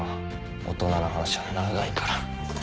大人の話は長いから。